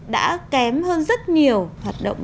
đã kém hơn rất nhiều hoạt động